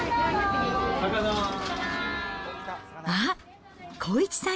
あっ、康一さん